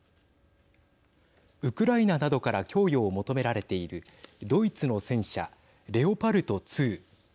ウクライナなどから供与を求められているドイツの戦車レオパルト２。